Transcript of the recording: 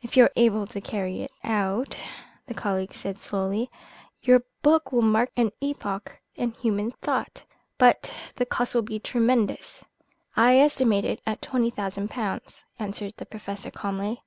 "If you are able to carry it out," the colleague said slowly, "your book will mark an epoch in human thought. But the cost will be tremendous." "I estimate it at twenty thousand pounds," answered the Professor calmly.